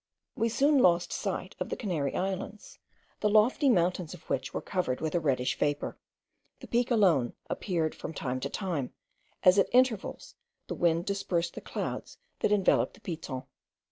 We soon lost sight of the Canary Islands, the lofty mountains of which were covered with a reddish vapour. The Peak alone appeared from time to time, as at intervals the wind dispersed the clouds that enveloped the Piton.